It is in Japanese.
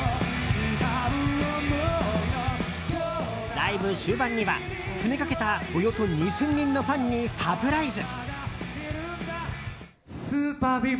ライブ終盤には、詰めかけたおよそ２０００人のファンにサプライズ。